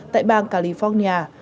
tại bang california